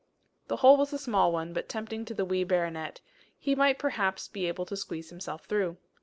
The hole was a small one, but tempting to the wee baronet; he might perhaps be able to squeeze himself through.